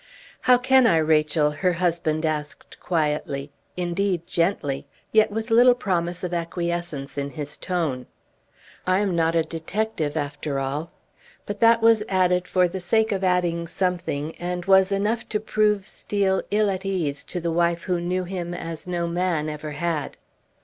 "How can I, Rachel?" her husband asked quietly, indeed gently, yet with little promise of acquiescence in his tone. "I am not a detective, after all." But that was added for the sake of adding something, and was enough to prove Steel ill at ease, to the wife who knew him as no man ever had.